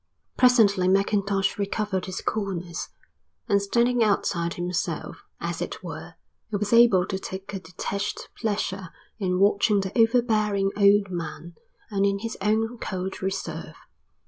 Presently Mackintosh recovered his coolness, and standing outside himself, as it were, he was able to take a detached pleasure in watching the overbearing old man and in his own cold reserve.